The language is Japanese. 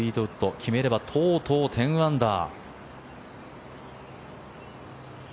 決めればとうとう１０アンダー。